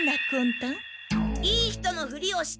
いい人のふりをして。